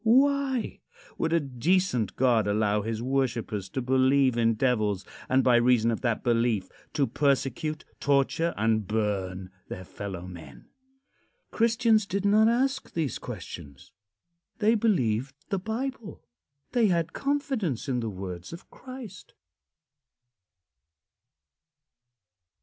Why would a decent God allow his worshipers to believe in devils, and by reason of that belief to persecute, torture and burn their fellow men? Christians did not ask these questions. They believed the Bible; they had confidence in the words of Christ.